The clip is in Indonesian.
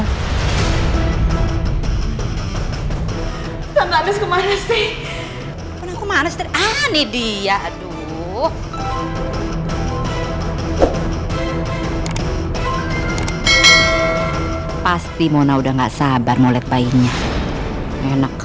tetap kemana sih aku mana setelah nih dia aduh pasti mona udah nggak sabar molet bayinya enak